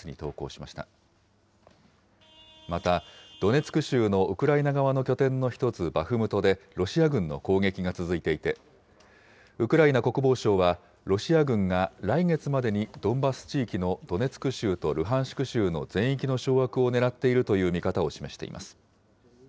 また、ドネツク州のウクライナ側の拠点の一つ、バフムトでロシア軍の攻撃が続いていて、ウクライナ国防省はロシア軍が来月までにドンバス地域のドネツク州とルハンシク州の全域の掌握を狙っているという見方を示しています。